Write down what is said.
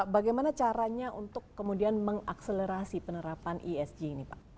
bagaimana caranya untuk kemudian mengakselerasi penerapan esg ini pak